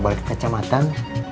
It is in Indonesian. balik ke kecamatan